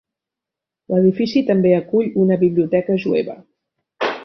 L'edifici també acull una biblioteca jueva.